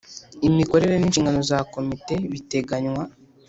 imikorere n inshingano za komite biteganywa